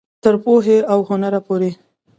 تر پوهې او هنره پورې.